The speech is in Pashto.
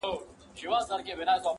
o اوړه يو مټ نه لري، تنورونه ئې شل دي.